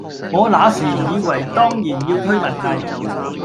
我那時以爲當然要推文藝，